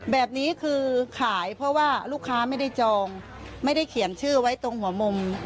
แบบนี้คือขายเพราะว่าลูกค้าไม่ได้จองไม่ได้เขียนชื่อไว้ตรงหัวมุม